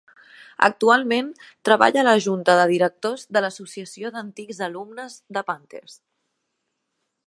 Actualment treballa a la junta de directors de l'associació d'antics alumnes de Panthers.